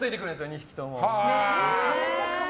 ２匹とも。